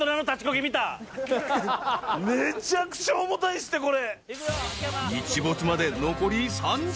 めちゃくちゃ重たいっすってこれ。